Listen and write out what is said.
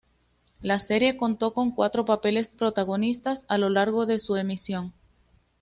La serie contó con cuatro papeles protagonistas a lo largo de su emisión.